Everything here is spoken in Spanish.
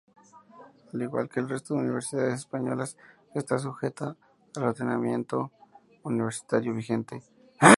Al igual que el resto de universidades españolas, está sujeta al ordenamiento universitario vigente.